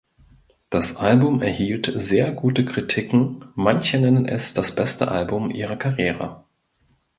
Das Album erhielt sehr gute Kritiken, manche nennen es das beste Album ihrer Karriere.